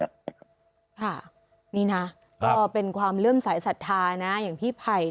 ค่ะนี่นะเป็นความเริ่มสายศัฒานะ